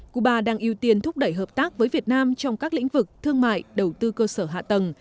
cuba đang ưu tiên thúc đẩy hợp tác với việt nam trong các lĩnh vực thương mại đầu tư cơ sở hạ tầng